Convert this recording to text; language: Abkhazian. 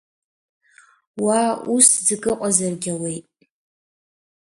Уа ус ӡык ыҟазаргь ауеит…